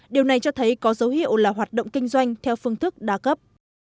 điều này cho thấy có dấu hiệu là hoạt động kinh doanh theo phương thức đa cấp